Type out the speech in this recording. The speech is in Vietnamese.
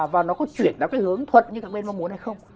và nó có chuyển ra cái hướng thuận như các bên mong muốn hay không